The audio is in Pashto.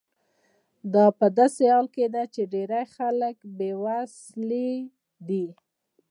دا په داسې حال کې ده چې ډیری خلک بې وسیلې دي.